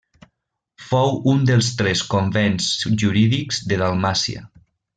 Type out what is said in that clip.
Fou un dels tres convents jurídics de Dalmàcia.